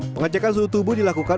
pengajakan suhu tubuh dilakukan